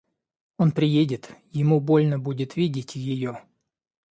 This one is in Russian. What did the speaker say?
Он приедет, ему больно будет видеть ее.